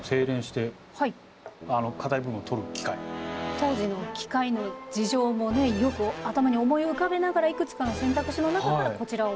当時の機械の事情もねよく頭に思い浮かべながらいくつかの選択肢の中からこちらを。